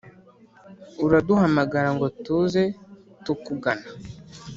uraduhamagara ngo tuze tukugana.